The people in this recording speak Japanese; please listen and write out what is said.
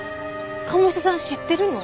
鴨志田さん知ってるの？